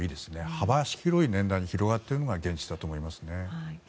幅広い年代に広がっているのが現実だと思いますね。